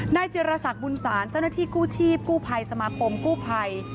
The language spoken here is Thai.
เจรสักบุญศาลเจ้าหน้าที่กู้ชีพกู้ภัยสมาคมกู้ภัย